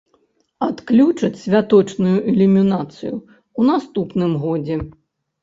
Адключаць святочную ілюмінацыю ў наступным годзе.